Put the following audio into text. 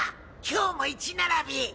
今日もイチ並び！